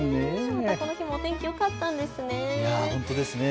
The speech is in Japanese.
この日もお天気よかったんですね。